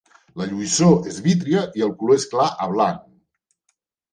La lluïssor és vítria i el color és clar a blanc.